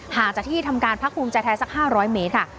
จากที่ทำการพักภูมิใจไทยสัก๕๐๐เมตรค่ะ